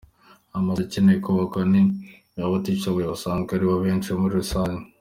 Amazu akenewe kubakwa ni ay’abatishoboye basanzwe aribo benshi muri rusange.